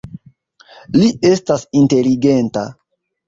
Li estas inteligenta.